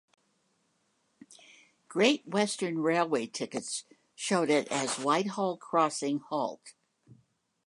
Great Western Railway tickets showed it as Whitehall Crossing Halt.